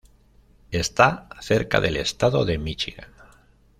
Está cerca del estado de Míchigan.